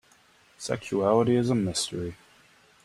Sexuality is a mystery.